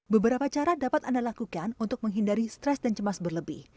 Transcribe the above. beberapa cara dapat anda lakukan untuk menghindari stres dan cemas berlebih